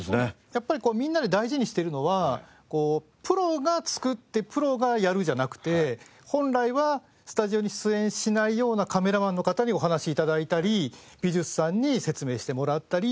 やっぱりこうみんなで大事にしてるのはプロが作ってプロがやるじゃなくて本来はスタジオに出演しないようなカメラマンの方にお話し頂いたり美術さんに説明してもらったり。